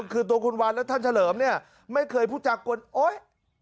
คือตัวคุณวันและท่านเฉลิมเนี่ยไม่เคยพูดจากวนโอ๊ย